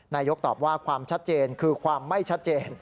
นายกตอบว่าความชัดเจนคือความไม่ชัดเจน